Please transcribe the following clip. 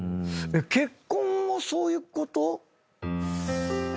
結婚もそういうこと？